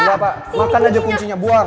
iya pak makan aja kuncinya buang